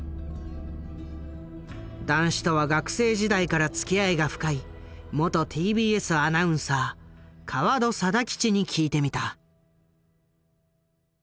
談志とは学生時代からつきあいが深い元ＴＢＳアナウンサー川戸貞吉に聞いてみた。